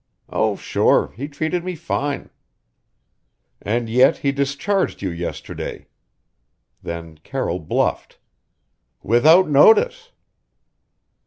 "Oh, sure he treated me fine." "And yet he discharged you yesterday." Then Carroll bluffed. "Without notice!"